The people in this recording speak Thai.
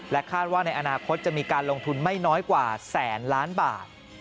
คาดว่าในอนาคตจะมีการลงทุนไม่น้อยกว่าแสนล้านบาท